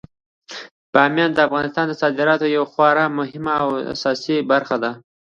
بامیان د افغانستان د صادراتو یوه خورا مهمه او اساسي برخه ده.